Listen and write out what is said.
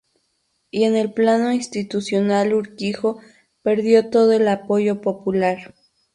Y en el plano institucional, Urquijo perdió todo el apoyo popular.